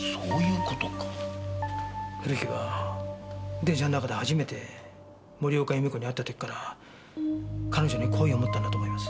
古木は電車の中で初めて森岡弓子に会った時から彼女に好意を持ったんだと思います。